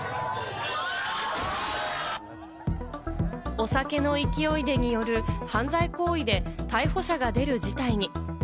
お酒の勢いによる犯罪行為で逮捕者が出る事態に。